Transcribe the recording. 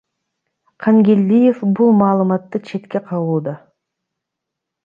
Кангелдиев бул маалыматты четке кагууда.